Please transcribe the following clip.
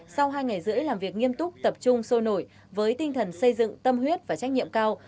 sau hai ngày rưỡi làm việc nghiêm túc tập trung sôi nổi với tinh thần xây dựng tâm huyết và trách nhiệm cao